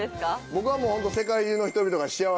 僕はもうホント。